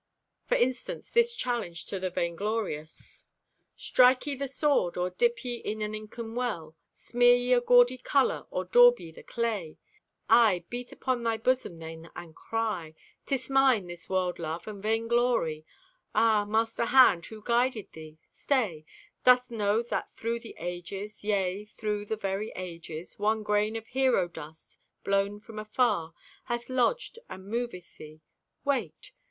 For instance this challenge to the vainglorious: Strike ye the sword or dip ye in an inken well; Smear ye a gaudy color or daub ye the clay? Aye, beat upon thy busom then and cry, "'Tis mine, this world love and vainglory!" Ah, master hand, who guided thee? Stay! Dost know that through the ages, Yea, through the very ages, One grain of hero dust, blown from afar, Hath lodged, and moveth thee? Wait.